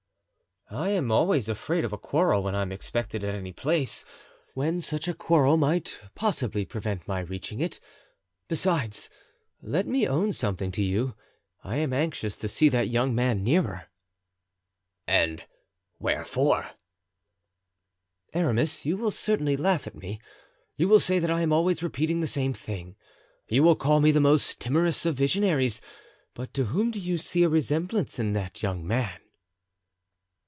"I am always afraid of a quarrel when I am expected at any place and when such a quarrel might possibly prevent my reaching it. Besides, let me own something to you. I am anxious to see that young man nearer." "And wherefore?" "Aramis, you will certainly laugh at me, you will say that I am always repeating the same thing, you will call me the most timorous of visionaries; but to whom do you see a resemblance in that young man?"